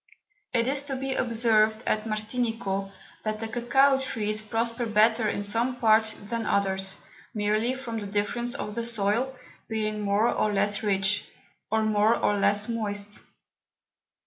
It is to be observed at Martinico, that the Cocao Trees prosper better in some Parts than others, merely from the Difference of the Soil, being more or less rich, or more or less moist.